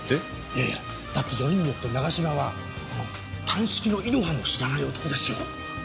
いやいやだってよりによって永嶋は鑑識のイロハも知らない男ですよ。